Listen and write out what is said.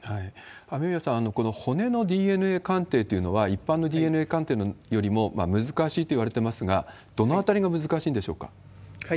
雨宮さん、この骨のＤＮＡ鑑定というのは、一般のＤＮＡ鑑定よりも難しいといわれてますが、どのあたりが難しいんでしょうか？